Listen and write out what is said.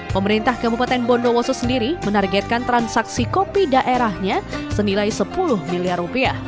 pemerintah kabupaten bondowoso sendiri menargetkan transaksi kopi daerahnya senilai rp sepuluh miliar rupiah